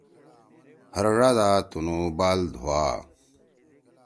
ہر ڙادا تُنُو بال دُھوا۔